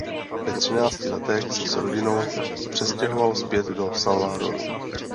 Ve třinácti letech se s rodinou přestěhoval zpět do Salvadoru.